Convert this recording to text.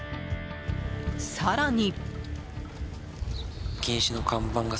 更に。